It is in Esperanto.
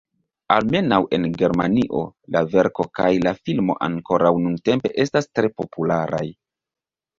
Almenaŭ en Germanio la verko kaj la filmo ankoraŭ nuntempe estas tre popularaj.